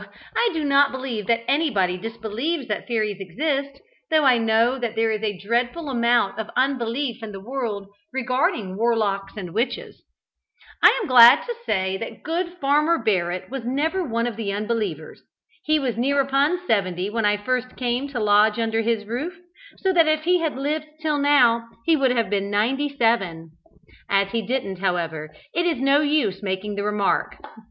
I do not believe that anybody disbelieves that fairies exist, though I know that there is a dreadful amount of unbelief in the world regarding warlocks and witches. I am glad to say that good Farmer Barrett was never one of the unbelievers. He was near upon seventy when I first came to lodge under his roof, so that if he had lived till now he would have been ninety seven. As he didn't, however, it is no use making the remark.